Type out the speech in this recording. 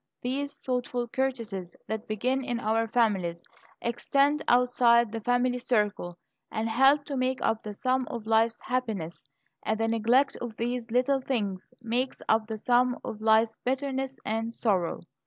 These thoughtful courtesies that begin in our families, extend outside the family circle, and help to make up the sum of life's happiness; and the neglect of these little things makes up the sum of life's bitterness and sorrow."